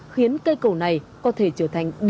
khiến cây cầu này có thể trở thành